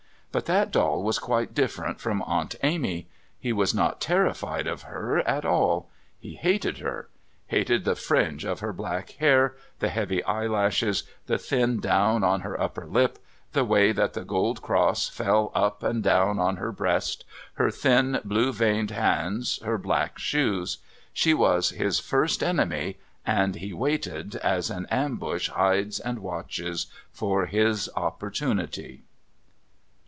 But that doll was quite different from Aunt Amy. He was not terrified of her at all. He hated her. Hated the fringe of her black hair, the heavy eyelashes, the thin down on her upper lip, the way that the gold cross fell up and down on her breast, her thin, blue veined hands, her black shoes. She was his first enemy, and he waited, as an ambush hides and watches, for his opportunity...